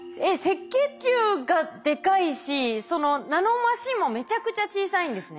赤血球がでかいしそのナノマシンもめちゃくちゃ小さいんですね。